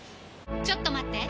ちょっと待って！